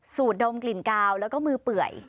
ดมกลิ่นกาวแล้วก็มือเปื่อย